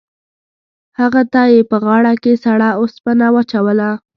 هغه ته یې په غاړه کې سړه اوسپنه واچوله.